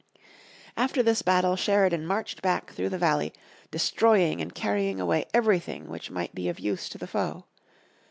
After this battle Sheridan marched back through the valley, destroying and carrying away everything which might be of use to the foe.